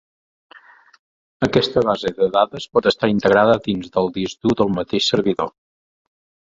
Aquesta base de dades pot estar integrada dins del disc dur del mateix servidor.